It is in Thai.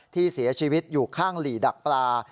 ที่เสียชีวิตอยู่ข้างหลีดักปลา